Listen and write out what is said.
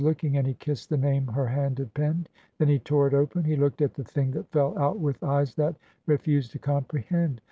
11 looking, and he kissed the name her hand had penned. Then he tore it open. He looked at the thing that fell out with eyes that re fused to comprehend.